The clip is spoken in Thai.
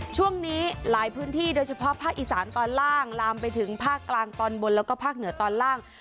ช่วงนี้หลายพื้นที่โดยเฉพาะภาคอีสานตอนล่างลามไปถึงภาคกลางตอนบนแล้วก็ภาคเหนือตอนล่าง